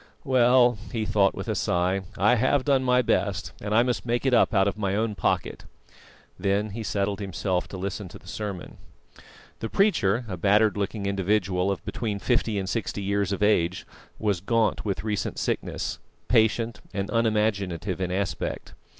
"Well," he thought, with a sigh, "I have done my best, and I must make it up out of my own pocket." Then he settled himself to listen to the sermon. The preacher, a battered looking individual of between fifty and sixty years of age, was gaunt with recent sickness, patient and unimaginative in aspect.